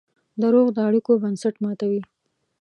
دروغ د اړیکو بنسټ ماتوي.